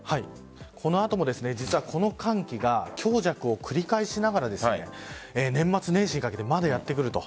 この後もこの寒気が強弱を繰り返しながら年末年始にかけてまだやって来ると。